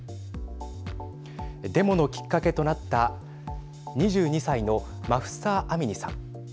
デモのきっかけとなった２２歳のマフサ・アミニさん。